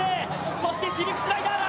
そしてシルクスライダーだ。